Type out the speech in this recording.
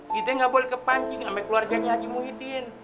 kita gak boleh kepancing sampe keluarganya haji muhidin